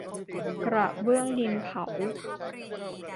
กระเบื้องดินเผา